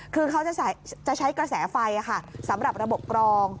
คือเขาจะใช้กระแสไฟสำหรับระบบกรอง